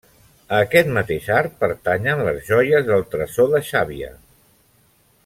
A aquest mateix art pertanyen les joies del Tresor de Xàbia.